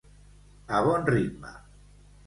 A bon ritme.